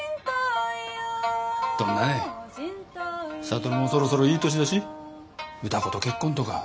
智もそろそろいい年だし歌子と結婚とか。